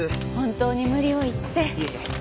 本当に無理を言って